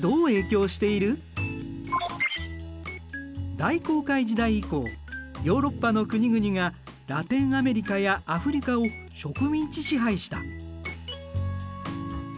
大航海時代以降ヨーロッパの国々がラテンアメリカやアフリカを植民地支配した。